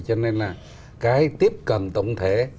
cho nên là cái tiếp cận tổng thể